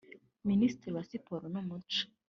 Minisitiri wa Siporo n’Umuco